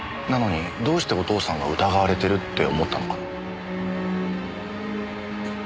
なのにどうしてお父さんが疑われてるって思ったのかな？